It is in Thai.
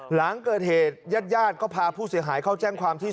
หลังเกิดเหตุญาติญาติก็พาผู้เสียหายเข้าแจ้งความที่